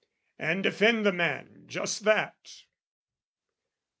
and defend the man, just that.